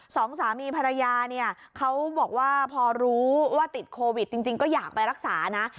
สองสามีภรรยาเนี่ยเขาบอกว่าพอรู้ว่าติดโควิดจริงก็อยากไปรักษานะ